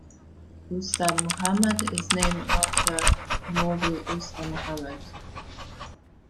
Usta Mohammad is named after Maulvi Usta Mohammad.